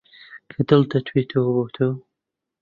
کە دڵ دەتوێتەوە بۆ تۆ